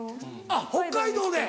あっ北海道で。